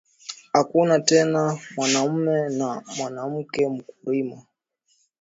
Akuna tena mwanaume na mwanamuke muku rima